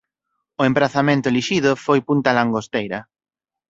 O emprazamento elixido foi punta Langosteira.